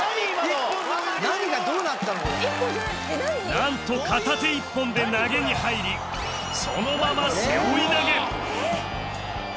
なんと片手１本で投げに入りそのまま背負い投げ！